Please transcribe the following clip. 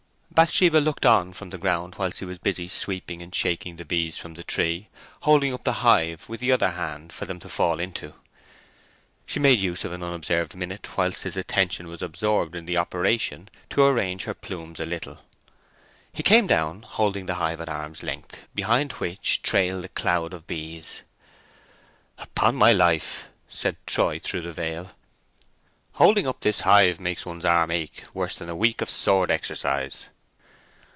Bathsheba looked on from the ground whilst he was busy sweeping and shaking the bees from the tree, holding up the hive with the other hand for them to fall into. She made use of an unobserved minute whilst his attention was absorbed in the operation to arrange her plumes a little. He came down holding the hive at arm's length, behind which trailed a cloud of bees. "Upon my life," said Troy, through the veil, "holding up this hive makes one's arm ache worse than a week of sword exercise."